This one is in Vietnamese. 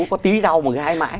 có tí rau mà cái hái mãi